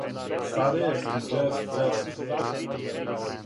Сарајевски џез фест.